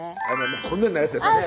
こんなんなるやつですよね